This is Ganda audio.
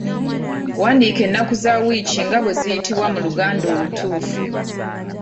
Wandiika ennaku za wiiki nga bwe ziyitibwa mu Luganda olutuufu.